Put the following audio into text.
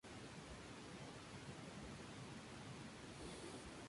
Implantada alta, de longitud mediana, bien provista de pelos, pero sin penacho.